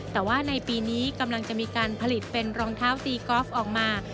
แต่ว่าในปีนี้กำลังจะมีการผลิตเป็นรองเท้าตีกอล์ฟออกมา